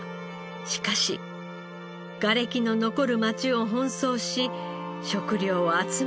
しかしがれきの残る町を奔走し食料を集めて回りました。